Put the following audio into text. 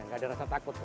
nggak ada rasa takut